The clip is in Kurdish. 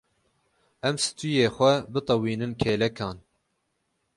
Em stûyê xwe bitewînin kêlekan.